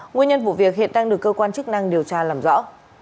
nguyên nhân vụ việc hiện đang được cơ quan chức năng điều tra làm rõ